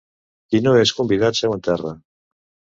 Qui no és convidat seu en terra.